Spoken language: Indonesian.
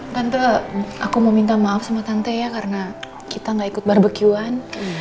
tante aku mau minta maaf sama tante ya karena kita gak ikut barbecue an